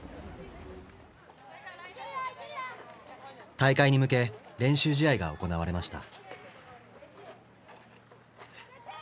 大会に向け練習試合が行われました。